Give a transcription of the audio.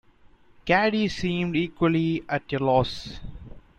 Caddy seemed equally at a loss.